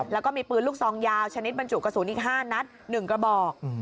แล้วก็มีปืนลูกซองยาวชนิดบรรจุกระสุนอีก๕นัด๑กระบอก